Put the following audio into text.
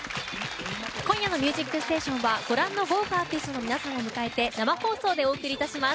今夜の「ミュージックステーション」はご覧の豪華アーティストの皆さんを迎えて生放送でお送りいたします。